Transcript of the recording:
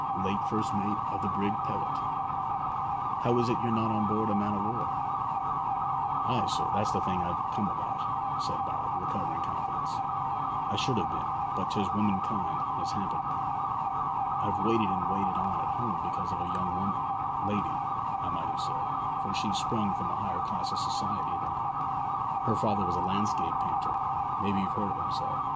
'Late first mate of the brig Pewit.' 'How is it you're not on board a man of war?' 'Ay, sir, that's the thing I've come about,' said Bob, recovering confidence. 'I should have been, but 'tis womankind has hampered me. I've waited and waited on at home because of a young woman lady, I might have said, for she's sprung from a higher class of society than I. Her father was a landscape painter maybe you've heard of him, sir?